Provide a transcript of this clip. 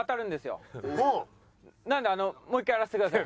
なのであのもう一回やらせてください。